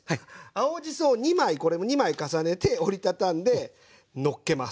青じそを２枚これも２枚重ねて折り畳んでのっけます。